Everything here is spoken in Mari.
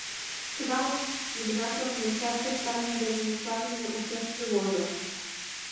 Тунамак Йыгнатлан мончаште Сталин дене мутланыме ушешыже возо.